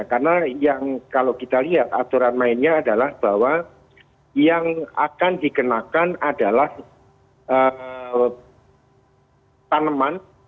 karena yang kalau kita lihat aturan mainnya adalah bahwa yang akan dikenakan adalah tanaman